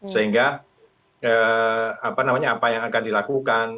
sehingga apa namanya apa yang akan dilakukan